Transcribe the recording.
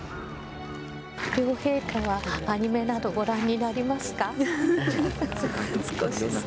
両陛下はアニメなどご覧になりますか？